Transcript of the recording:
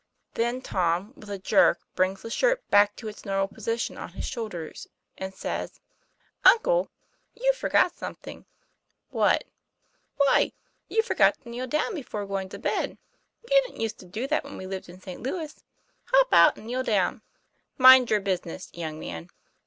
Then Tom with a jerk brings the shirt back to its normal posi tion on his shoulders, and says: "Uncle, you've forgot something." " What ?" 1 Why you forgot to kneel down before going to bed. You didn't used to do that when we lived in St. Louis. Hop out and kneel down." TOM PLA YFAIR. 165 "Mind your business, young man."